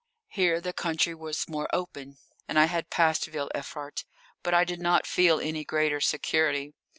Here the country was more open, and I had passed Ville Evrart. But I did not feel any greater security.